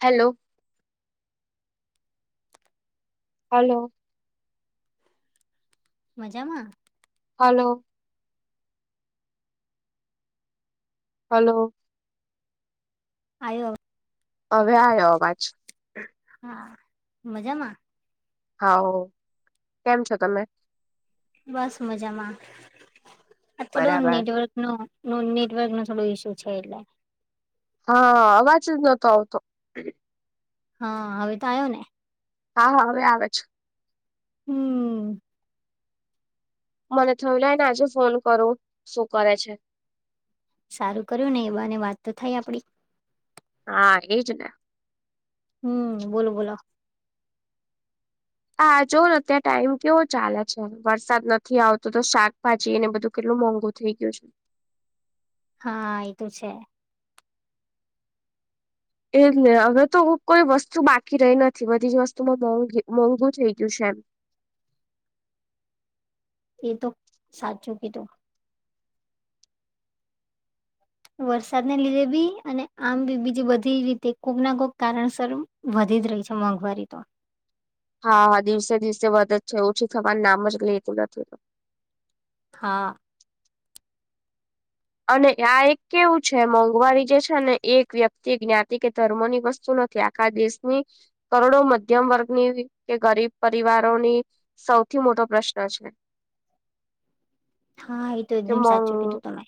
Hello. Hello. મજામાં? Hello. Hello. આયો અ હવે આયો અવાજ. હા મજામાં. હા કેમ છો તમે. બસ મજામાં આ થોડો બરાબર નેટવર્ક નો. ન નેટવર્ક ન થોડો ઈસ્યુ છે એટલે. હા અવાજ જ નતો આવતો. હા હવે તો આવ્યો ને. હા હા હવે આવે છે. હમ. મને થય લને આજે ફોન કરો શું કરે છે. સારું કર્યું ને એવાને વાત તો થાય આપડી. હા એજ ને. હમ બોલો બોલો. હા જોને અત્યારે ટાઈમ કેવો ચાલે છે વરસાદ નથી આવતો તો શાકભાજી એને બધું કેલું. ું મોંઘું થઈ ગયું છે. હા એ તો છે. એલે હવે તો કોઈ વસ્તુ બાકી રહી નથી બધી જ વસ્તુમાં મોંઘી મોંઘું થઈ ગયું છે એમ. [inaudible] એ તો સાચું કીધું. વરસાદ ને લીધેભી. વિધ જ રહી છે મોંઘવારી તો. હ [unintelligible] હા આવા દિવસે દિવસે વધે જ છે ઓછી થવા નામ જ લેતું નથી. હા. અને આ એક કેવું છે મોંઘવારી જે છે ને એક વ્યક્તિ જ્ઞાતિ કે ધર્મો ની વસ્તુ ન આખા દેશની કરોડો મધ્યમ વર્ગની કે ગરીબ પરિવારોની સ સૌથી મોટો પ્રશ્ન છે. હા એ તો કે એકદમ મોં સાચું કીધું તમે.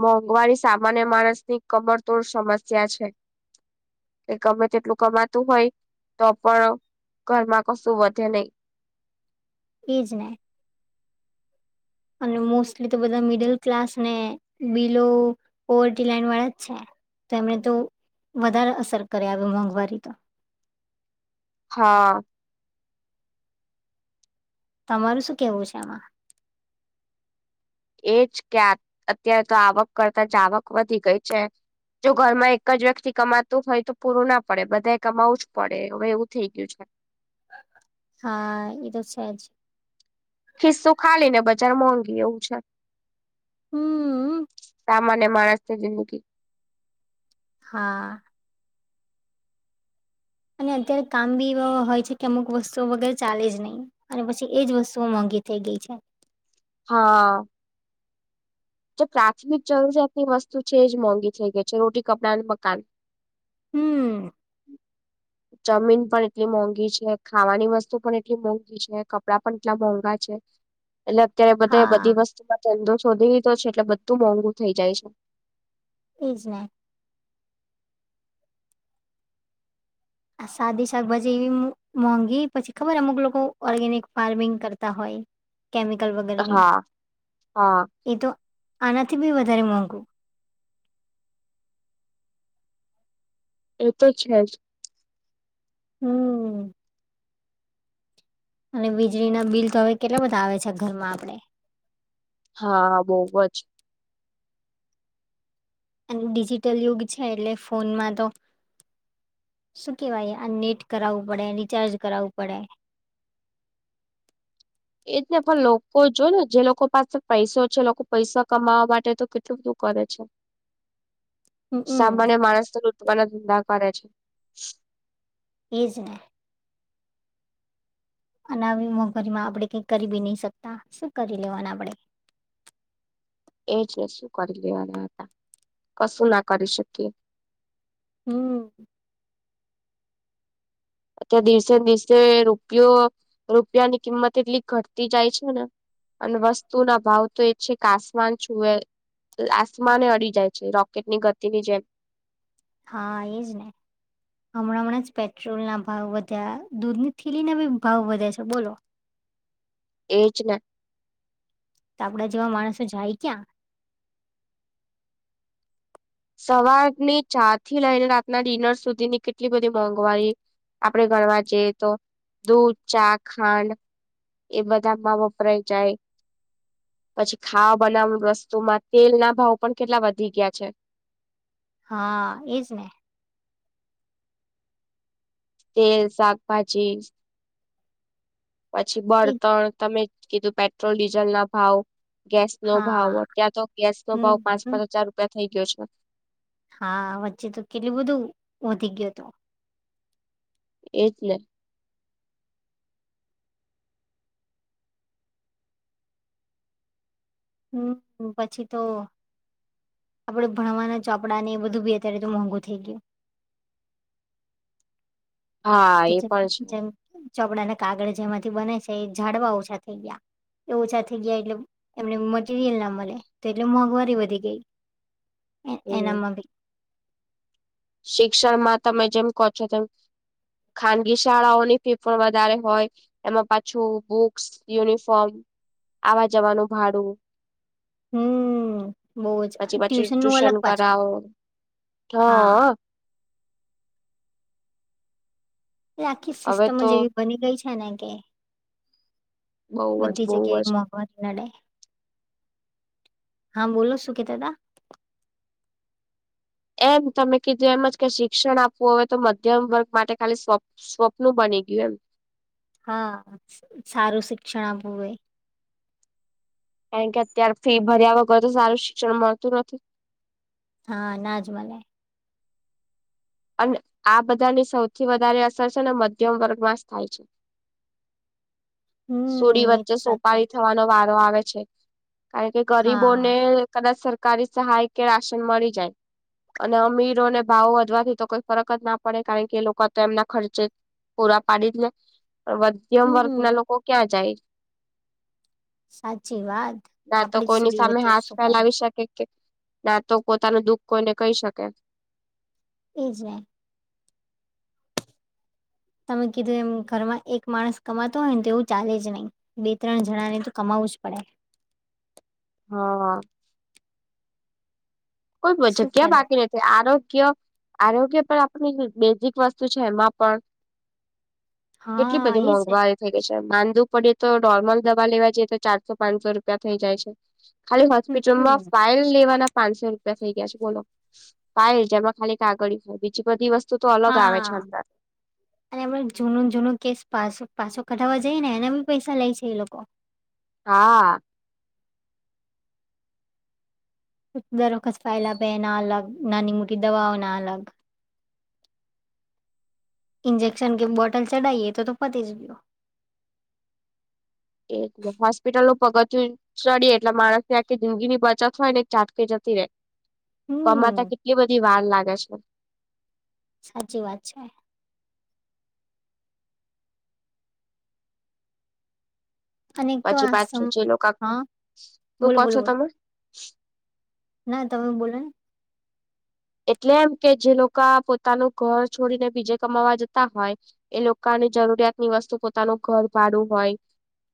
મોંઘવારી સામાન્ય માણસની કમરતોડ સમસ્યા છે. કે ગમે તેટલું કમાતું હોય તો પણ. ઘરમાં કશું વધે નઈ. એ જ ને. અને મોસ્ટલી તો બધા મિડલ ક્લાસને બિલો પોવર્ટી લાાઈન વાળા જ છે. તો એમણે તો વધારે અસર કરે આવી મોંઘવારી તો હા. તમારું શું કેવું છે આમાં? એજ કે આ અત્યારે તો આવક કરતા જાવક વધી ગઈ છે. જો ઘરમાં એક જ વ્યક્તિ કમાતું હોય તો પૂરું ના પડે બધાએ કમાવું જ પડે હવે એવું થઈ ગયું છે. હા એ તો છેજ. ખિસ્સું ખાલીને બજાર મોઘી એવું છે. હમ. સામાન્ય માણસની જિંદગી. હા. અને અત્યારે કામ બી એવા હોય છે કે અમુક વસ્તુઓ વગેરે ચાલે જ નહીં અને પછી એજ વસ્તુઓ મંગી. થઈ ગઈ છે. હા. જે પ્રાથમિક જરૂરિયાતની વસ્તુ છે એ જ મોંઘી થઇ ગઈ છે રોટી કપડા અને મકાન. હમ [inaudible] ચમીન પણ એટલી મોંઘી છે ખાવાની વસ્તુ પણ એટલી મોંઘી છે કપડાં પણ એટલા મોંઘા છે. [inaudible] એટલે અત્યારે બધા હા બધી વસ્તુમાં ધંધો શોધી લીધો છે એટલે બધું મોંઘુ થઇ જાય છે. એ જ ને. આ સાદી શાકભાજી એવી મ-મોંઘી પછી ખબર અમુક લોકો ઓર્ગેનિક ફાર્મિંગ કરતા હોય. કેમિકલ વગરની. હા હા એ તો આનાથી બી વધારે મોંઘું! એ તો છે જ. હમ્મ. અને વીજળીના બિલ તો હવે કેટલા બધા આવે છે ઘરમાં આપડે. હા, બોવ જ. અને ડિજિટલ યુગ છે એટલે ફોનમાં તો શું કેવાય આ નેટ કરાવવું પડે, રિચાર્જ કરાવવું પડે. [inaudible] એજ ને પણ લોકો જો ને જે લોકો પાસે પૈસો છે, લોકો પૈસા કમાવા માટે તો કેટલું બધું કરે રે છે. હમમ સામાન્ય માણસને લૂટવાના ધંધા કરે છે. એજ ને. અને આવી મોંઘરીમાં આપણે કઈ કરી બી નહી શકતા. શું કરી લેવાના આપડે? એજ ને શું કરી લેવાના હતા. કશું ના કરી શકીએ. હમ્મ. અ તે દિવસે ન દિવસે રૂપિયો રૂપિયાની કિંમત એટલી ઘટતી જાય છે ને. અન વસ્તુના ભાવ તો એ છે કે આસમાન છુએ આસમાને અડી જાય છે રોકેટની ગતિની જેમ. હા એજ ને. હમણાં હમણાં જ પેટ્રોલના ભાવ વધ્યા, દૂધની થેલીના બી ભાવ વધે છે બોલો! એજ ને. તો આપડા જેવા માણસો જાય ક્યાં? સવારની ચાથી લઈને રાતના ડિનર સુધીની કેટલી બધી મોંઘવારી આપણેે ગણવા જઈએ તો દૂધ, ચા, ખાંડ એ બધામાં વપરાય જાય. પછી ખાવા બનાવા વસ્તુમાં તેલના ભાવ પણ કેટલા વધી ગ્યા છે. હા એજ ને. તેલ, શાકભાજી પછી એ બળતણ તમે કેધું પેટ્રોલ ડીઝલના ભાવ ગેસનો ભાવ હા અત્યાર તો ગેસનો ભાવ પાંચ હમ પાંચ હજાર રૂપિયા થઈ ગયો છે. હા, વચ્ચે તો કેટલું બધું વધી ગ્યો તો. એજ ને. હમ્મ, પછી તો આપડે ભણવાના ચોપડાને એ બધું બી અત્યારે તો મોંઘું થઈ ગયું. હા, એ પણ છે. ચોપડાને કાગળ જેમાંથી બને છે એ ઝાડવા ઓછા થઈ ગ્યા. એ ઓછા થઇ ગ્યા એટલે એમને મટીરિયલ ન મળે તો એટલે મોંઘવારી વધી ગઈ. એ હમ એનામા ભી શિક્ષણમાં તમે જેમ કો છો તેમ ખાનગી શાળાઓની ફી પણ વધારે હોય એમાં પાછું બુક્સ, યુનિફોર્મ આવા જવાનું ભાડું હમ્મ. હમ બોવ જ. પછી પછી ટ્યુશનનું ટ્યુશન અલગ પાછું. કરાવો હા. એ આખી હવે સિસ્ટમ જ તો એવી બની ગઈ છે ને કે બહુ જ બધી બહુ જ જગ્યાએ મોંઘવારી નડે. હા બોલો શું કેહતા તા? એમ તમે કીધું એમ જ શિક્ષણ આપવું હોય તો મધ્યમ વર્ગ માટે ખાલી સ્વ સ્વપ્નું બન થઈ ગયું એમ. હા, સારું શિક્ષણ આપવું હોય. કારણ કે અત્યારે ફી ભર્યા વગર તો સારું શિક્ષણ મળતું નથી. હા, નાજ મલે. અને આ બધાની સૌથી વધારે અસર છે ને મધ્યમ વર્ગમાં જ થાય છે. સુડી હમ એ વચ્ચે તો સાચું સોપારી થવાનો વારો આવે છે. કારણ કે હા. ગરીબોને કદાચ સર કારી સહાય કે રાશન મળી જાય અને અમીરોને ભાવ વધવાથી તો કોઈ ફરક જ ના પડે કારણ કે એ લોકો તો એમના ખર્ચે પૂરા પાડી જ લે. મધ્યમ વર્ગના હમ લોકો ક્યાં જાય? સાચી વાત ના તો આપડી જ કોઈની સુડી સામે વચ્ચે હાથ સુપારી ફેલાવી શકે છે. ના તો પોતાનું દુઃખ કોઈને કહી શકે. એજ ને. તમે કીધું એમ ઘરમાં એક માણસ કમાતો હોય ને તો એવું ચાલે જ નહીં બે ત્રણ જણા ને તો કમા વુ જ પડે. હા આ. કોઈ શું જગ્યા કરો બાકી નથી આરો કિયા આરોગ્ય પણ આપણની બેઝિક વસ્તુ છે એમાં પણ કેટલી હા બધી એ છે મોંઘવારી થઈ ગઈ છે. વાંધુ પડીએ તો નોર્મલ દવા લેવા જઈએ તો ચારસો પાંચસો રૂપિયા થઇ જાય છે. ખાલી હમ હોસ્પિટલમાં હમ ફાઇલ લેવાના પાંચસો તા થઈ ગયા છે બોલો. પાય જેમાં ખાલી કાગળ ખાય બીજી બધી વસ હા અને હમણા જૂનું જૂનું કેસ પાસું પાછો કઢાવવા જઈ ને એના બી પૈસા લે છે એ લોકો. હા. દરખસ ફાયેલા બે ના અલગ નાની મોટી દવાઓ ના અલગ. ઇન્જેક્શન કે બોટલ ચઢાઈએ તો તો પતિજ ગયો. એ હોસ્પિટલ નું પગથું ચડીે એટલે માણસ ને આખી જિંદગી ની બચત હોય ને એક ચાટકી જતી રહે. કમાતા હમ કેટલી બધી વાર લાગે છે. સાચી વાત છે. અને એક તો પછી આ પાછો સમ જે લોકો હા શું બોલો કહો બોલો છો બોલો તમે. ના તમે બોલને. એટલે એમ કે જે લોકા પોતાનું ઘર છોડીને બીજે કમાવા જતા હોય એ લોકા ને જરૂરિયાત ની વસ્તુ પોતાનું ઘર ભાડું હોય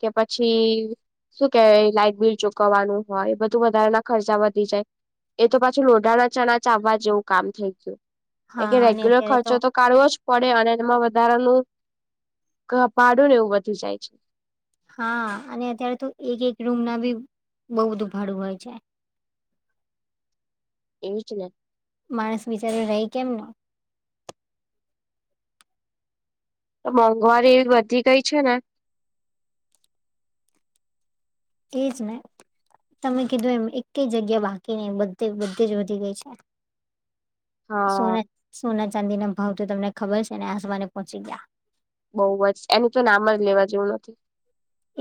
કે પછી શું કેવાય એ લાઈટ બિલ ચૂકવવાનું હોય બધું વધારેાના ખર્ચા વધી જાય. એ તો પાછું લોઢાના ચણા ચાવવા જેવું કામ થઈ ગયું. એ કે હા અને રેગ્યુલર અત્યારે ખર્ચો તો કાઢવો જ પડે અને એમાં વ વધારાનું ક પાડું ને એવું વધી જાય છે. હા અને અત્યારે તો એક જે રૂમ ના બી બહુ બધું ભાડું હોય છે. એજ ને. માણસ બિચારે રહે કેમ ના. તો મોંઘવારી એ વધી ગઈ છે ને. એજ ને. તમે કીધું એમ એક કે જગ્યા બાકી નહી બધે બધે જ વધી ગઈ છે. હા સોના સોના ચાંદી ના ભાવ તો તમને ખબર છે ને આસમાને પહોંચી ગયા. બહુ જ એનું તો નામ જ લેવા જેવું નથી.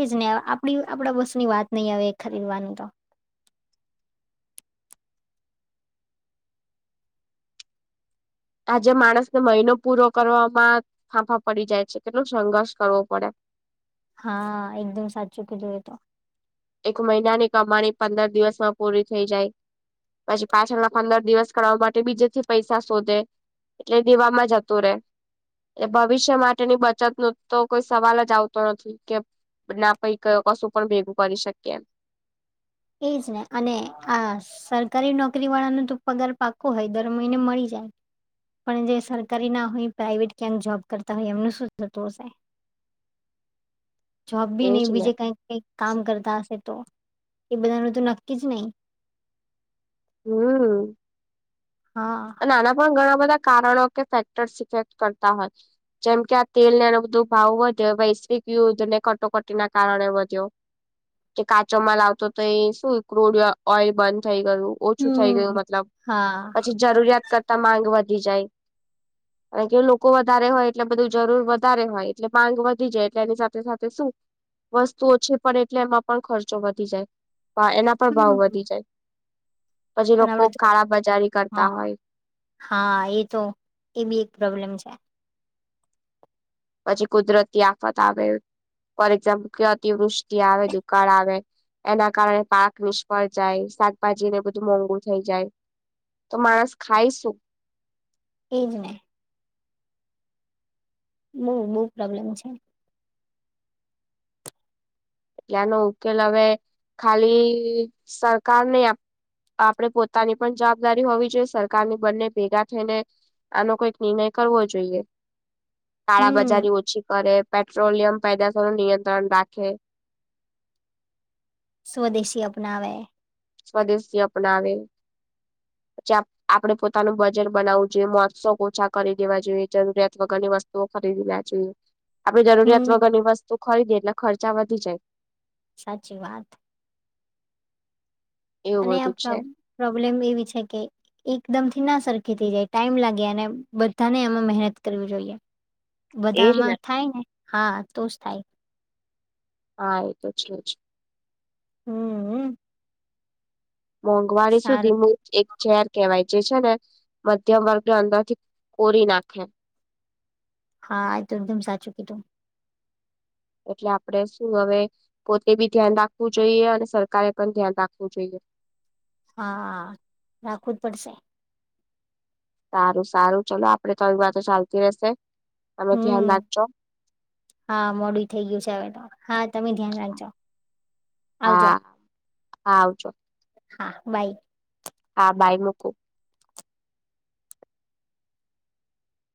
એજને આપણી આપણા બસની વાત નહી હવે એ ખરીદવાની તો. [inaudible] આજે માણસ ને મહિનો પૂરો કરવામાં ફાંફા પડી જાય છે કેટલોું સંઘર્ષ કરવો પડે. [inaudible] હા એકદમ સાચું કધું એ તો. એક મહિનાની કમાણી પંદર દિવસમાં પૂરી થઈ જાય. પછી પાછળ ના પંદર દિવસ કરવાાવ માટે બીજેથી પૈસા શોધે. એટલે દેવામાં જતું રે. એ ભવિષ્ય માટેની બચત નું તો કોઈ સવાલ જ આવતો નથી કે ના પૈ ક કશું પણ ભેગું કરી શકી એમ. એજ ને અને આ. સરકારી નોકરી વાળાનો તો પગાર પાકો હોય દર મહિને મળી જાય. પણ જે સરકારી ના હોય પ્રાાઈવેટ ક્યાંક જોબ કરતા હોય એમનું શું થતું હશે. [inaudible] જોબ બી એજ નહી ને બીજે કઈ કઈ કામ કરતા હશે તો. એ બધાનું તો નક્કી જ નહી હમ્મ. હા નાના પણ ગર. બધા કારણો કે ફેક્ટર્સ ઇફેક્ટ કરતા હોય જેમ કે આ તેલ ને એ બધું ભાવ વધે. યુનાઈટેડ ને કટોકટી ના કારણે વધ્યો. કે કાચોમાં લાવતો તો એ શું ક્રુડ ઓઈલ બંધ થઈ, ગણુ ઓછું થઈ ગયું હમ મતલબ હા પછી જરૂરિયાત કરતા માંગ વધી જાય. અહીંયા લોકો વધારે હોય એટલે બધું જરૂર વધારે હોય એટલે માંગ વધી જાય, એટલે એની સાથે સાથે શું. વસ્તુઓ છે, પણ એટલે એમાં પણ ખર્ચો વધી જાય. એના પર ભાવ વધી હમ જાય પછી અને લોકો આપડે કાળા બજારી કરતા હા હોય. હા એ તો એ બી એક પ્રોબ્લેમ છે. પછી કુદરતી તી આફત આવે. ફોર એક્ઝામ્પલ કે અતિવૃષ્ટિ આવે દુકાળ આવે. એના કારણે પાક નિષ્ફળ જાય શાકભાજીને બધું મોંઘુ થઈ જાય. તો માણસ ખાઈશું. એજ ને. બહુ બહુ પ્રોબ્લેમ છે. એટલે આનો ઉકેલ હવે ખાલી સરકારને. આપણે પોતાની પણ જવાબદારી હોવી જોઈએ, સરકારની બંને ભેગા થઈને. આનો કંઈક નિર્ણય કરવો જોઈએ. હમ શાળાબજારી ઓછી કરે પેટ્રોલિયમ પેદાશો નું નિયંત્રણ રાખે. સ્વદેશી અપનાવે. સ્વદેશી અપનાવે. પછી આપડે પોતાનું બજેટ બનાવવું જોઈએ, મોજ- શોખ ઓછા કરી દેવા જોઈએ, જરૂરિયાત વગર વસ્તુઓ ખરીદવી નાં જોઈએ. આપે જરૂરિયાત વગરની હમ વસ્તુ ખરીદીએે એટલે ખર્ચા વધી જાય. સાચી વાત એવું અને આ બધું છે પ્રોબ્લેમ એવી છે, કે એકદમ થી ના સરખાં કેતી જાય ટાઈમ લાગે અને બધાને એમાં મહેનત કરવી જોઈએ. બધામાં થાય ને હા તો જ થાય. હા એતો છે, જ હું હું મોંઘવારી સુધી નું એક ઝેર કેવાય. જે છે ને મધ્યમ વર્ગને અંદરથી કોરી નાખે. હા એ તો એકદમ સાચું કીધું, એટલે આપડે શું હવે પોતે બી ધ્યાન રાખવું, જોઈએ અને સરકારે પણ ધ્યાન રાખવું જોઈએ. [unintelligible] [inaudible] હા રાખવું જ પડશે. સારું સારું ચલો આપડે તો આવી વાતો ચાલતી રહેશે. તમે ધ્યાન હું રાખજો. હા મોડું થઇ ગયું છે, હવે તો હા. તમે ધ્યાન રાખજો આવજો. હા હા આવજો હા વાઈટ. હા બાય મૂકું.